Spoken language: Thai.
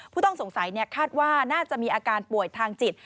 ผู้ต้องสงสัยคาดว่าน่าจะมีอาการป่วยทางจิต